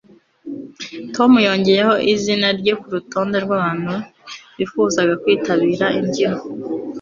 tom yongeyeho izina rye kurutonde rwabantu bifuzaga kwitabira imbyino